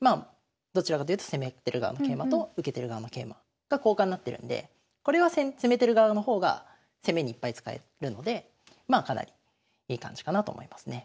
どちらかというと攻めてる側の桂馬と受けてる側の桂馬が交換になってるんでこれは攻めてる側の方が攻めにいっぱい使えるのでかなりいい感じかなと思いますね。